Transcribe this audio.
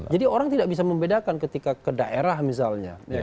jadi orang tidak bisa membedakan ketika ke daerah misalnya